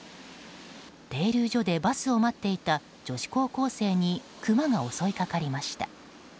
停留所でバスを待っていた女子高校生にクマが襲いかかりました。